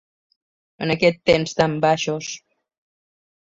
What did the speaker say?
En aquests temps tan baixos.